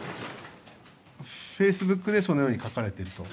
フェイスブックでそのように書かれていると？